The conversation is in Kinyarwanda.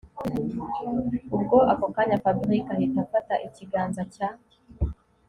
Ubwo ako kanya Fabric ahita afata ikiganza cya